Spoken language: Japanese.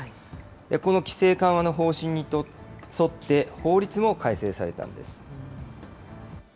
この規制緩和の方針に沿って、法律も改正されたんです。